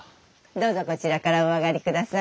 どうぞこちらからお上がりください。